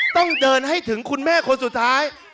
ต้องเดินให้ถึงคุณแม่คนสุดท้าย